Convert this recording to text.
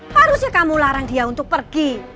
harusnya kamu larang dia untuk pergi